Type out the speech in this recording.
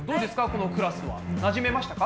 このクラスは。なじめましたか？